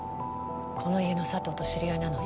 この家のサトウと知り合いなの。